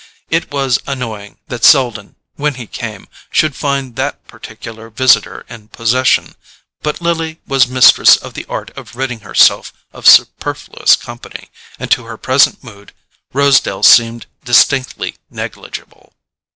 It was annoying that Selden, when he came, should find that particular visitor in possession, but Lily was mistress of the art of ridding herself of superfluous company, and to her present mood Rosedale seemed distinctly negligible.